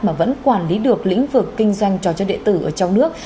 mà vẫn quản lý được lĩnh vực kinh doanh cho cho đệ tử ở trong nước